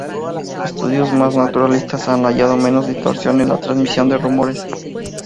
Estudios más naturalistas han hallado menos distorsión en la transmisión de rumores.